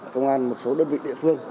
công an một số đơn vị địa phương